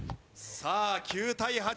さあ９対８。